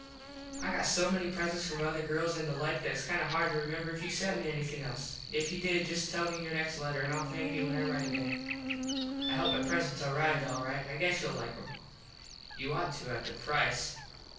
I got so many presents from other girls an the like that its kind of hard to remember if you sent me anything else. If you did just tell me in your next letter and Ill thank you when I rite again. I hope my presents arrived all right. I guess you'll like em. You ought to at the price.